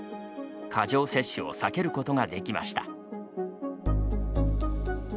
過剰摂取を避けることができました。